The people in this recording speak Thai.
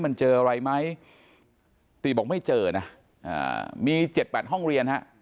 มันเจออะไรไหมตีบอกไม่เจอนะมี๗๘ห้องเรียนฮะ